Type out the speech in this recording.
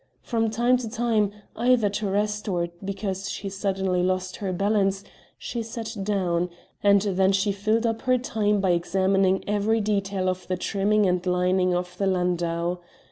From time to time, either to rest, or because she suddenly lost her balance, she sat down; and then she filled up her time by examining every detail of the trimming and lining of the landau.